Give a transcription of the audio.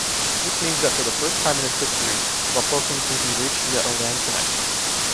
This means that for the first time in its history, Lofoten can be reached via a land connection.